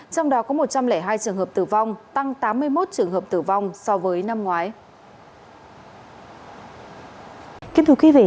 trong đó có một trăm linh hai trường hợp tử vong tăng tám mươi một trường hợp tử vong so với năm ngoái